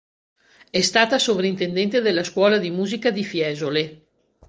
È stata Sovrintendente della Scuola di musica di Fiesole.